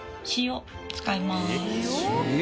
使います。